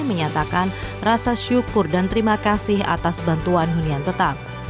menyatakan rasa syukur dan terima kasih atas bantuan hunian tetap